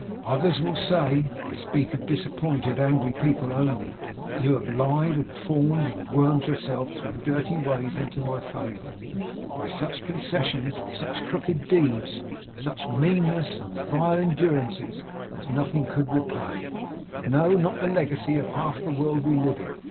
'Others will say I speak of disappointed, angry people only that you have lied and fawned, and wormed yourself through dirty ways into my favour; by such concessions and such crooked deeds, such meannesses and vile endurances, as nothing could repay; no, not the legacy of half the world we live in.